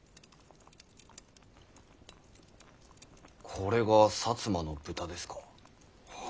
これが摩の豚ですか。